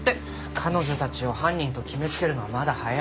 彼女たちを犯人と決めつけるのはまだ早い。